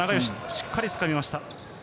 しっかり掴みました。